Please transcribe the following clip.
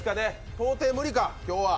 到底無理か今日は。